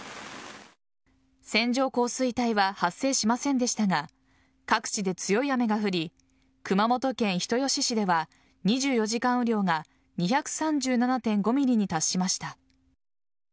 線状降水帯は発生しませんでしたが各地で強い雨が降り熊本県人吉市では２４時間雨量が２３７．５ｍｍに達しました。